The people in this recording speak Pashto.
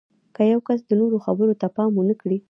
که یو کس د نورو خبرو ته پام ونه کړي